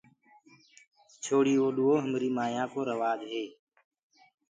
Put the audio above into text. پِڇوڙي پيروو بي همري مايانٚ ڪو روآج هي۔